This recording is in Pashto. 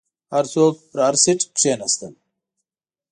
هر څوک په هر سیټ کښیناستل.